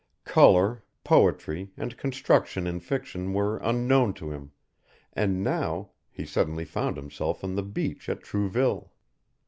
Colour, poetry, and construction in fiction were unknown to him, and now he suddenly found himself on the beach at Trouville.